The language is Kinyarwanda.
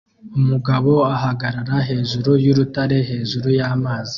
Umugabo ahagarara hejuru y'urutare hejuru y'amazi